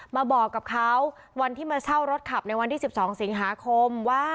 มาบอกกับเขาวันที่มาเช่ารถขับในวันที่๑๒สิงหาคมว่า